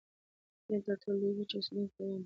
فیل تر ټولو لوی وچ اوسیدونکی حیوان دی